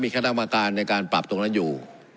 มันก็จะมีข้าระมากการในการปรับตรงนั้นอยู่